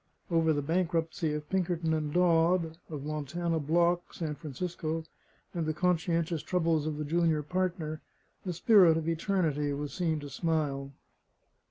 Over the bankruptcy of Pinkerton and Dodd, of Montana Block, S. F., and the conscientious troubles of the junior partner, the spirit of eternity was seen to smile.